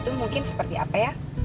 itu mungkin seperti apa ya